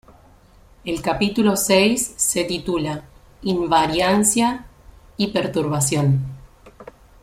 El capítulo seis se titula "Invariancia y perturbación".